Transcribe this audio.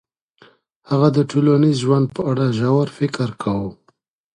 هغه د ټولنیز ژوند په اړه ژور فکر کاوه.